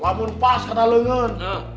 lalu pas ada lengan